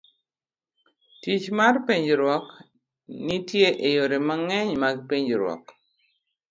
Tich mar penjruok .nitie e yore mang'eny mag penjruok.